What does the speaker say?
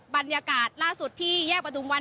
บรรยากาศล่าสุดที่แยกประทุมวัน